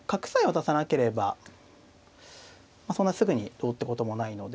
渡さなければそんなすぐにどうってこともないので。